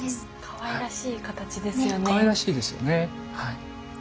かわいらしいですよねはい。